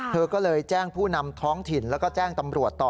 เธอก็เลยแจ้งผู้นำท้องถิ่นแล้วก็แจ้งตำรวจต่อ